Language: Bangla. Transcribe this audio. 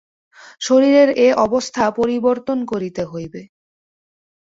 শরীরের এ অবস্থা পরিবর্তন করিতে হইবে।